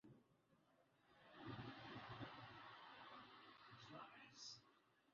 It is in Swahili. da ya kubainika kuwa alihusika na mauwaji ya mume wake